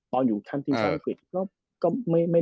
ตอนอยู่ข้างที่ชาวฤทธิ์